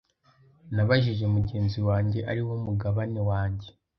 nabajije mugenzi wanjye ariwo mugabane wanjye